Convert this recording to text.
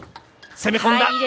攻め込んだ！